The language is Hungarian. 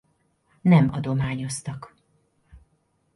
Nem adományoztak